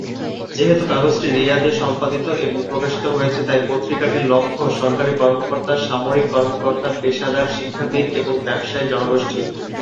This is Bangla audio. যেহেতু কাগজটি রিয়াদে সম্পাদিত এবং প্রকাশিত হয়েছে, তাই পত্রিকাটির লক্ষ্য সরকারী কর্মকর্তা, সামরিক কর্মকর্তা, পেশাদার, শিক্ষাবিদ এবং ব্যবসায়ী জনগোষ্ঠী।